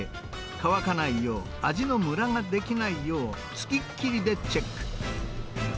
乾かないよう、味のむらができないよう、つきっきりでチェック。